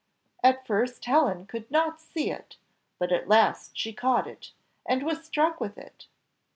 At first Helen could not see it; but at last she caught it, and was struck with it.